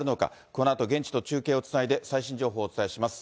このあと、現地と中継をつないで、最新情報をお伝えします。